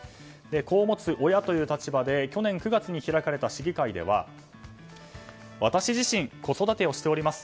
子を持つ親という立場で去年９月に開かれた市議会では私自身、子育てをしております。